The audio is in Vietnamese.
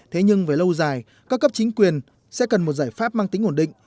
thế nhưng về lâu dài các cấp chính quyền sẽ cần một giải pháp mang tính ổn định